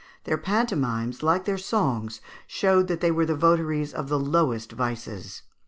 Their pantomimes, like their songs, showed that they were the votaries of the lowest vices.